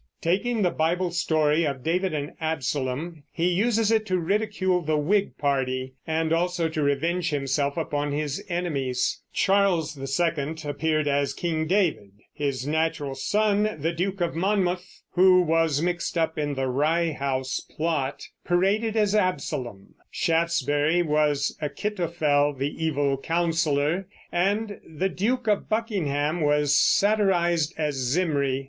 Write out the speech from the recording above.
Taking the Bible story of David and Absalom, he uses it to ridicule the Whig party and also to revenge himself upon his enemies. Charles II appeared as King David; his natural son, the Duke of Monmouth, who was mixed up in the Rye House Plot, paraded as Absalom; Shaftesbury was Achitophel, the evil Counselor; and the Duke of Buckingham was satirized as Zimri.